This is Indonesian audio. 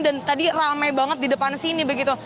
dan tadi ramai banget di depan sini begitu